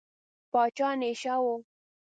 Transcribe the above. پاچا نشه و.